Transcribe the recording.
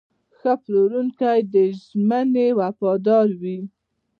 ښه پلورونکی د ژمنې وفادار وي.